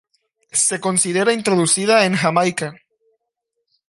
Se considera introducida en Jamaica.